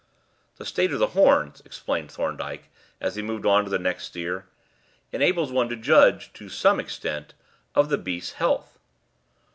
"The state of the horns," explained Thorndyke, as he moved on to the next steer, "enables one to judge, to some extent, of the beast's health."